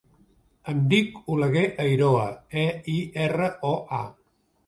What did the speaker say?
Em dic Oleguer Eiroa: e, i, erra, o, a.